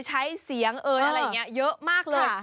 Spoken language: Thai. ใช้เสียงเอ่ยอะไรอย่างนี้เยอะมากเลย